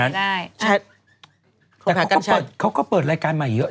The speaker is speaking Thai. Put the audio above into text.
แต่เขาก็เปิดรายการมาเยอะนะ